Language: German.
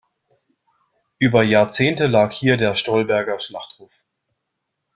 Über Jahrzehnte lag hier der Stolberger Schlachthof.